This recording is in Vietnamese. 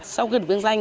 sau khi được vinh danh